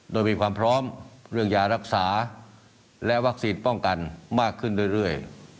โดยมีความพร้อมเรื่องยารักษาและวัคซีนป้องกันมากขึ้นเรื่อย